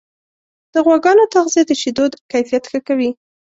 د غواګانو تغذیه د شیدو کیفیت ښه کوي.